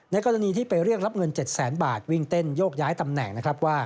ในกรณีที่ไปเรียกรับเงิน๗แสนบาทวิ่งเต้นโยกย้ายตำแหน่ง